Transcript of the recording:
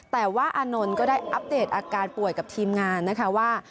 แต่ว่าอานนท์ก็ได้อัปเดตอาการป่วยกับทีมงานนะคะว่า